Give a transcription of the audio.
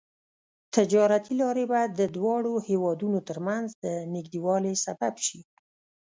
تجارتي لارې به د دواړو هېوادونو ترمنځ د نږدیوالي سبب شي.